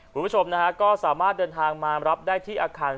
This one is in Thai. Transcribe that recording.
ดูประชมนะคะก็สามารถเดินทางมารับได้ที่อาคาร๑๕